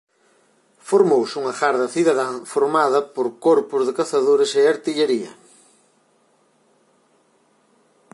Formouse unha garda cidadá formada por corpos de cazadores e artillaría.